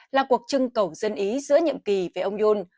là cuộc trưng cầu dân ý giữa nhậm kỳ về ông yoon